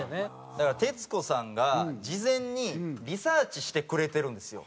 だから徹子さんが事前にリサーチしてくれてるんですよ